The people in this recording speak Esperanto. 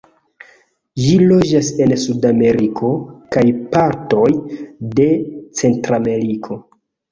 Ĝi loĝas en Sudameriko, kaj partoj de Centrameriko.